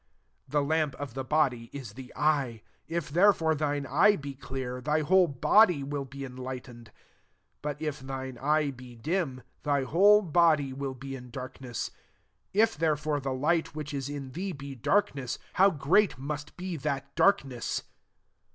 22 « The lamp of the body is the eye : if therefore thine eye be clear, thy whole body will be enlightened. 23 But if thine eye be dim, thy whole body will be in darkness. If therefore the light which is in thee be darkness, how great must be that darkness